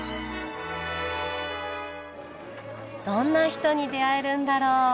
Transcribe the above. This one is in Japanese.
どんな人に出会えるんだろう。